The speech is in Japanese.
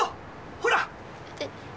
ほら！